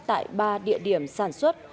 tại ba địa điểm sản xuất